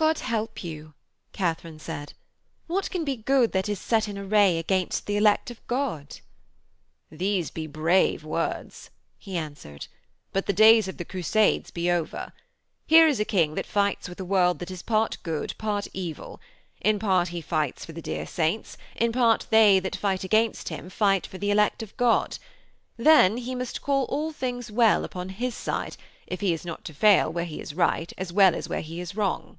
'God help you,' Katharine said. 'What can be good that is set in array against the elect of God?' 'These be brave words,' he answered, 'but the days of the Crusades be over. Here is a King that fights with a world that is part good, part evil. In part he fights for the dear saints; in part they that fight against him fight for the elect of God. Then he must call all things well upon his side, if he is not to fail where he is right as well as where he is wrong.'